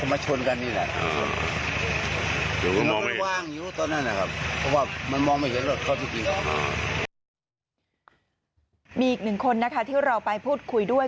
มีอีกหนึ่งคนนะคะที่เราไปพูดคุยด้วย